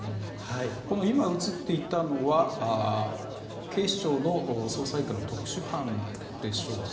今映っていたのは警視庁の捜査１課の特殊班でしょうか。